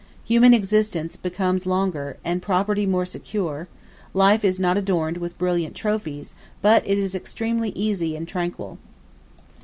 Human existence becomes longer, and property more secure: life is not adorned with brilliant trophies, but it is extremely easy and tranquil.